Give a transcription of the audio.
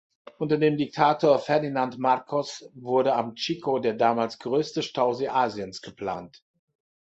Unter dem Diktator Ferdinand Marcos wurde am Chico der damals größte Stausee Asiens geplant.